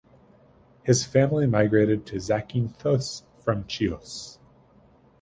His family migrated to Zakynthos from Chios.